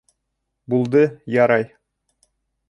— Булды, ярай.